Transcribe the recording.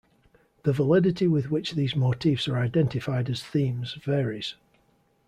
The validity with which these motifs are identified as themes varies.